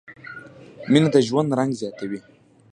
مینه د ژوند رنګ زیاتوي.